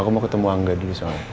aku mau ketemu angga dulu soalnya